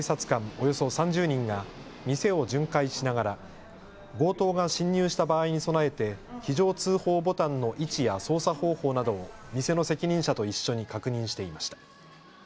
およそ３０人が店を巡回しながら強盗が侵入した場合に備えて非常通報ボタンの位置や操作方法などを店の責任者と一緒に確認していました。